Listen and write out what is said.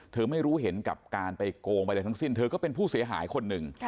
ไม่รู้เห็นกับการไปโกงไปอะไรทั้งสิ้นเธอก็เป็นผู้เสียหายคนหนึ่ง